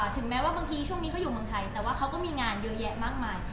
ถึงแม้ว่าบางทีช่วงนี้เขาอยู่เมืองไทยแต่ว่าเขาก็มีงานเยอะแยะมากมาย